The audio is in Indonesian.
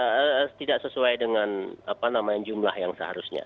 alasan tidak sesuai dengan apa namanya jumlah yang seharusnya